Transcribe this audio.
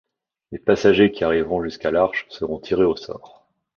Les passagers qui arriveront jusqu'à l'arche seront tirés au sort.